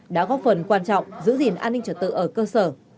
đã góp phần quan trọng giữ gìn an ninh trật tự ở cơ sở